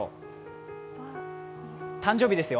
誕生日ですよ。